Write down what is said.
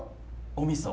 おみそ。